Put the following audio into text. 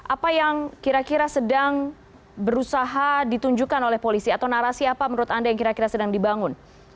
apa yang kira kira sedang berusaha ditunjukkan oleh polisi atau narasi apa menurut anda yang kira kira sedang dibangun